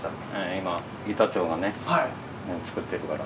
今板長がね作ってるから。